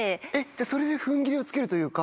それで踏ん切りをつけるというか。